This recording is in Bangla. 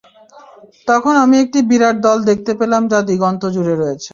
তখন আমি একটি বিরাট দল দেখতে পেলাম যা দিগন্ত জুড়ে রয়েছে।